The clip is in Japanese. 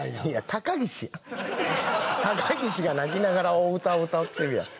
高岸が泣きながらお歌を歌ってるやん。